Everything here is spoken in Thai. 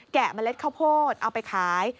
เมล็ดข้าวโพดเอาไปขาย